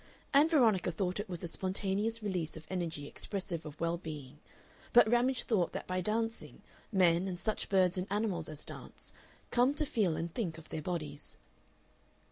Ann Veronica thought it was a spontaneous release of energy expressive of well being, but Ramage thought that by dancing, men, and such birds and animals as dance, come to feel and think of their bodies.